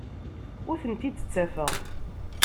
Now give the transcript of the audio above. Ur tent-id-ttafeɣ.